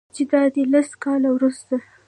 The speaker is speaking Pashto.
چې دادی لس کاله وروسته